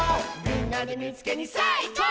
「みんなでみいつけにさあいこう！」